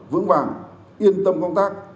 vững vàng yên tâm công tác